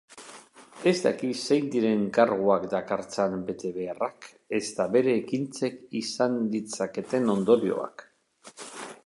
Ez daki zein diren karguak dakartzan betebeharrak ezta bere ekintzek izan ditzaketen ondorioak.